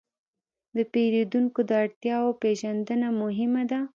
د پیرودونکو د اړتیاوو پېژندنه مهمه ده.